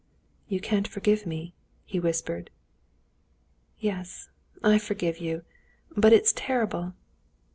"You can't forgive me," he whispered. "Yes, I forgive you; but it's terrible!"